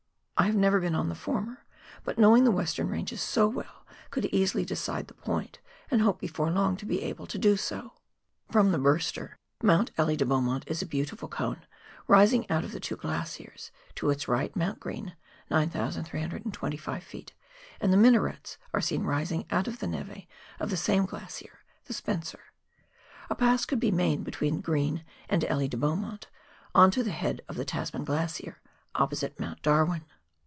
I have never been on the former, but knowing the "Western Ranges so well could easily decide the point, and hope before long to be able to do so. From the Burster, Mount Elie de Beaumont is a beautiful cone, rising out of the two glaciers, to its right Mount Green (9,325 ft.), and the Minarets are seen rising out of the neve of the same glacier, the Spencer. A pass could be made between Green and Elie de Beaumont on to the head of the Tasman Glacier, opposite Mount Darwin.